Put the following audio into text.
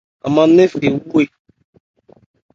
An man nɛ́n phɛ́ nnwɛ.